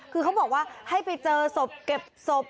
คือเขาบอกว่าให้ไปเจอศพเก็บศพ